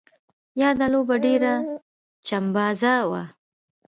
یاده لوبه ډېره چمبازه وه.